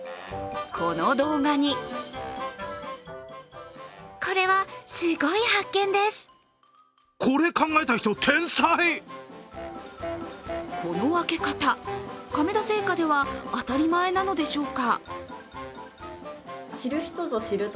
この動画にこの開け方、亀田製菓では当たり前なのでしょうか？